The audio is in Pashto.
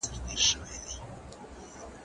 زه به اوږده موده درسونه ولولم؟!